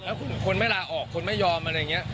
แล้วคนไม่ลาออกคนไม่ยอมอะไรอย่างนี้